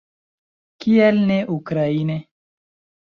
Kial ne ukraine?